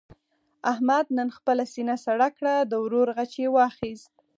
احمد نن خپله سینه سړه کړه. د ورور غچ یې واخیست.